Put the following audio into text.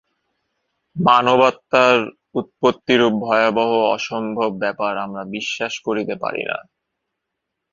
মানবাত্মার উৎপত্তিরূপ ভয়াবহ অসম্ভব ব্যাপার আমরা বিশ্বাস করিতে পারি না।